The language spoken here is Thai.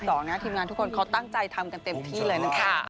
จริงนะทุกคนตั้งใจทำกันเต็มที่เลยนะครับ